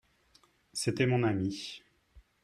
C'était mon ami.